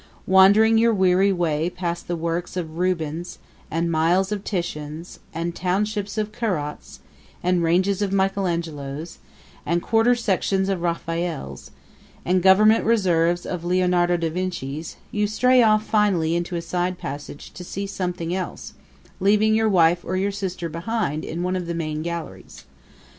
Wandering your weary way past acres of the works of Rubens, and miles of Titians, and townships of Corots, and ranges of Michelangelos, and quarter sections of Raphaels, and government reserves of Leonardo da Vincis, you stray off finally into a side passage to see something else, leaving your wife or your sister behind in one of the main galleries.